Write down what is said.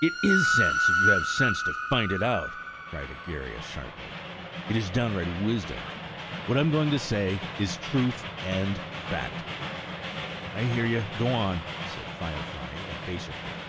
"It is sense, if you have sense to find it out," cried Egeria, sharply; "It is downright wisdom. What I am going to say is truth and fact." "I hear you; go on," said Firefly, impatiently.